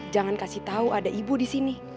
jangan kasih tau ada ibu disini